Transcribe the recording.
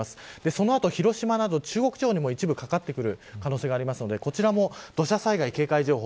その後、広島など中国地方にも一部かかってくる可能性があるのでこちらも土砂災害警戒情報。